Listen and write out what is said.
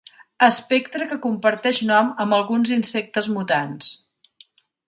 Espectre que comparteix nom amb alguns insectes mutants.